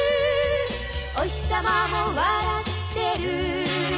「おひさまも笑ってる」